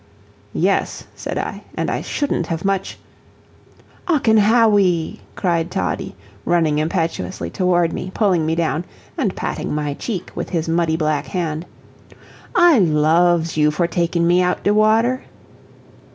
"Yes," said I, "and I shouldn't have much " "Ocken Hawwy," cried Toddie, running impetuously toward me, pulling me down, and patting my cheek with his muddy black hand, "I LOVES you for takin' me out de water."